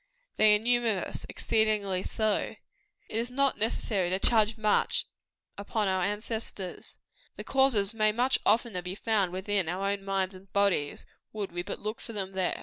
They are numerous exceedingly so. It is not necessary to charge much upon our ancestors. The causes may much oftener be found within our own minds and bodies, would we but look for them there.